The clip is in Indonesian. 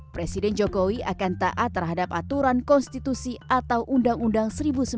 presiden jokowi akan taat terhadap aturan konstitusi atau undang undang seribu sembilan ratus empat puluh lima